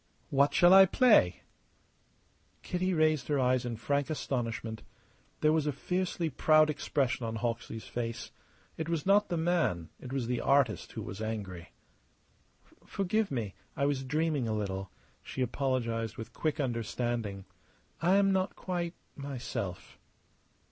"What shall I play?" Kitty raised her eyes in frank astonishment. There was a fiercely proud expression on Hawksley's face. It was not the man, it was the artist who was angry. "Forgive me! I was dreaming a little," she apologized with quick understanding. "I am not quite myself."